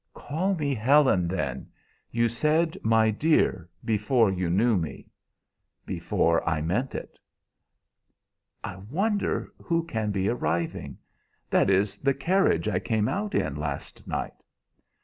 "Call me Helen, then. You said 'my dear' before you knew me." "Before I meant it." "I wonder who can be arriving. That is the carriage I came out in last night."